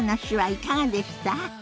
いかがでした？